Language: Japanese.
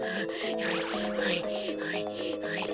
はいはいはいはい。